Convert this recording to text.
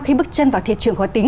khi bước chân vào thị trường khó tính